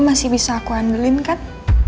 masih bisa aku ambilin kan